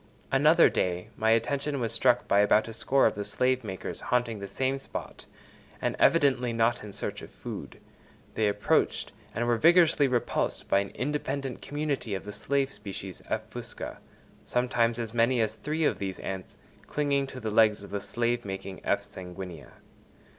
Another day my attention was struck by about a score of the slave makers haunting the same spot, and evidently not in search of food; they approached and were vigorously repulsed by an independent community of the slave species (F. fusca); sometimes as many as three of these ants clinging to the legs of the slave making F. sanguinea.